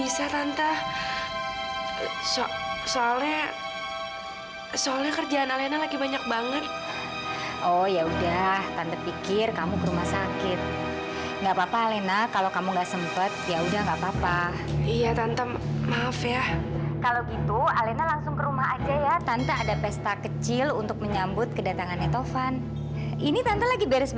soalnya kerjaan alena lagi benar benar nggak bisa ditinggal